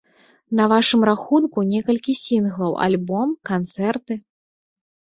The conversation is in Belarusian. На вашым рахунку некалькі сінглаў, альбом, канцэрты.